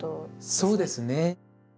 そうですね。